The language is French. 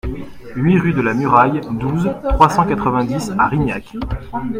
huit rue de la Muraille, douze, trois cent quatre-vingt-dix à Rignac